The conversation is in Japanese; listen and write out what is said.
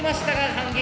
反撃